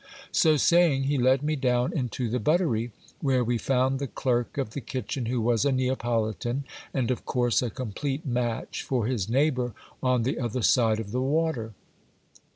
» So saying, he led me down into the butter)', where we found the clerk of the kitchen, who was a Neapolitan, and of course a complete match for his neigh bour on the other side of the water.